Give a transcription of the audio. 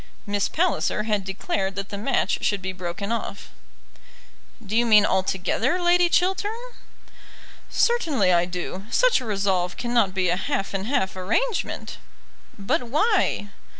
Miss Palliser had declared that the match should be broken off. "Do you mean altogether, Lady Chiltern?" "Certainly I do. Such a resolve cannot be a half and half arrangement." "But why?"